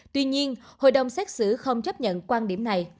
tuy nhiên hội đồng xét xử không chấp nhận quan điểm này